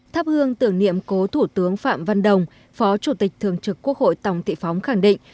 tháp hương tưởng niệm cố thủ tướng phạm văn đồng phó chủ tịch thường trực quốc hội tòng thị phóng khẳng định